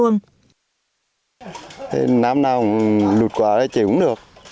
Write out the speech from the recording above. năm nào lụt quả thì chỉ uống được